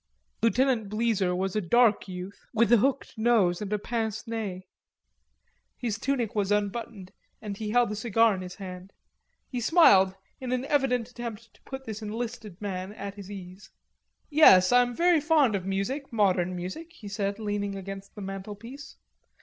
Lieutenant Bleezer was a dark youth with a hooked nose and pincenez. His tunic was unbuttoned and he held a cigar in his hand. He smiled in an evident attempt to put this enlisted man at his ease. "Yes, I am very fond of music, modern music," he said, leaning against the mantelpiece.